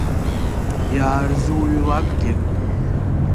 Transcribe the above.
Иаарзуҩлакгьы!